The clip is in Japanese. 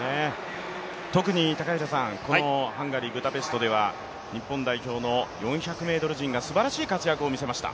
特にハンガリー・ブダペストでは日本代表の４００ｍ陣がすばらしい活躍を見せました。